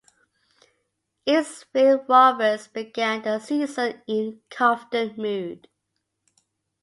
Eastville Rovers began the season in confident mood.